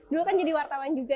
dulu kan jadi wartawan juga